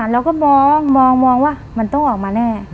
เราก็มองมองว่ามันต้องออกมาแน่